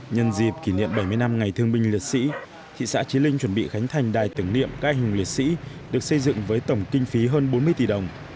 nhân dịp kỷ niệm bảy mươi năm ngày thương binh liệt sĩ thị xã trí linh chuẩn bị khánh thành đài tưởng niệm các anh hùng liệt sĩ được xây dựng với tổng kinh phí hơn bốn mươi tỷ đồng